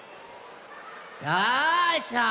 さあさあ